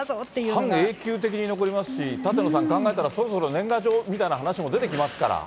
半永久的に残りますし、舘野さん、そろそろ年賀状みたいな話も出てきますから。